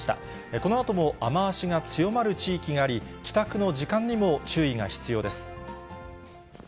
このあとも雨足が強まる地域があり、帰宅の時間にも注意が必要です。